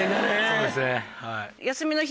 そうですね。